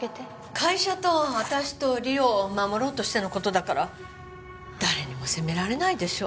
会社と私と梨央を守ろうとしてのことだから誰にも責められないでしょ